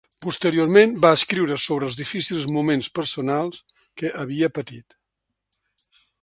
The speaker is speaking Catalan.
Posteriorment va escriure sobre els difícils moments personals que havia patit.